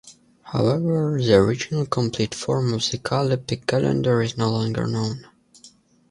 However, the original, complete form of the Callippic calendar is no longer known.